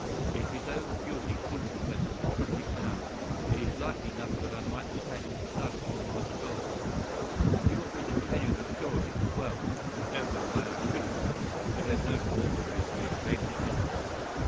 If his own guilty conscience had not struck him down it is likely enough that I might have had his blood upon my soul. You want me to tell the story. Well, I don't know why I shouldn't, for there's no cause for me to be ashamed of it.